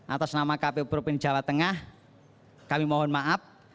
atau senama kpu provinsi jawa tengah kami mohon maaf